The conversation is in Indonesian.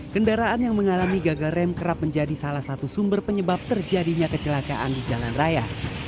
kendaraan yang mengalami gagal rem kerap menjadi salah satu sumber penyebab terjadinya kecelakaan di jalan raya